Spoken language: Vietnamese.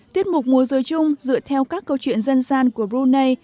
tiết mục múa dối chung dựa theo các câu chuyện dân gian của brunei